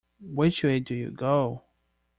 Which way do you go?